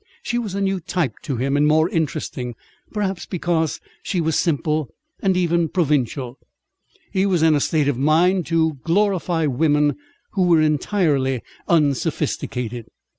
She was a new type to him, and more interesting, perhaps, because she was simple, and even provincial. He was in a state of mind to glorify women who were entirely unsophisticated.